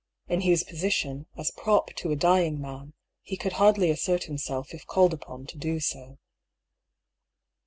In Hugh's position, as prop to a dying man, he could hardly assert himself if called upon to do so.